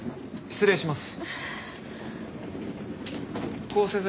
失礼します。